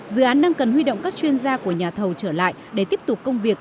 dự án đang cần huy động các chuyên gia của nhà thầu trở lại để tiếp tục công việc